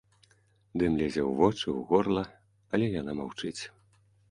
Дым лезе ў вочы, у горла, але яна маўчыць.